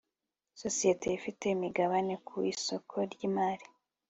sosiyete ifite imigabane ku isoko ryimari